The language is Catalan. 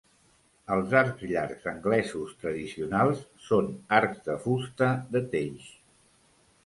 Els arcs llargs anglesos tradicionals són arcs de fusta de teix.